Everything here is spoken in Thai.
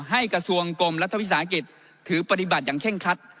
ให้กระทรวงกรมรัฐวิทยาศาสตร์อังกฤษถือปฏิบัติอย่างเข้็งคัด